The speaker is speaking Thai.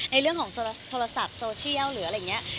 ในเรื่องของโทรศัพท์โซเชียลหรืออะไรอย่างนี้